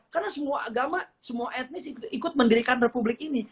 karena semua agama semua etnis ikut mendirikan republik ini